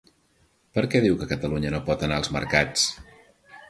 Per què diu que Catalunya no pot anar als mercats?